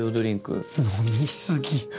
飲み過ぎ。